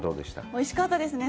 おいしかったですね。